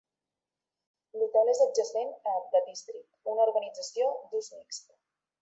L'hotel és adjacent a The District, una urbanització d'ús mixt.